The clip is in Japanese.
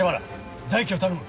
大樹を頼む。